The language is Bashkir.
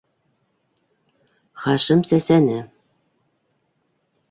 - Хашим сәсәне.